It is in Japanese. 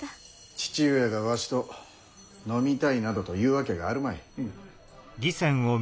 父上がわしと「飲みたい」などと言うわけがあるまい。